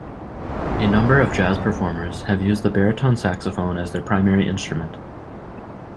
A number of jazz performers have used the baritone saxophone as their primary instrument.